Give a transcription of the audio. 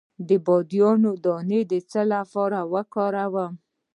د بادیان دانه د څه لپاره وکاروم؟